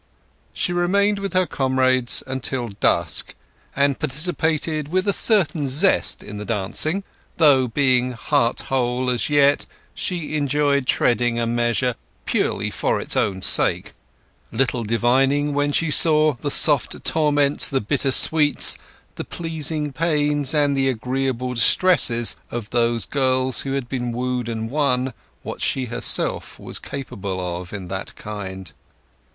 She remained with her comrades till dusk, and participated with a certain zest in the dancing; though, being heart whole as yet, she enjoyed treading a measure purely for its own sake; little divining when she saw "the soft torments, the bitter sweets, the pleasing pains, and the agreeable distresses" of those girls who had been wooed and won, what she herself was capable of in that kind.